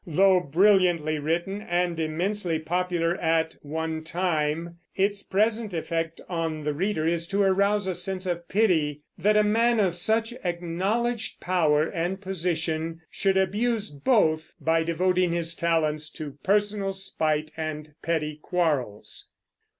Though brilliantly written and immensely popular at one time, its present effect on the reader is to arouse a sense of pity that a man of such acknowledged power and position should abuse both by devoting his talents to personal spite and petty quarrels.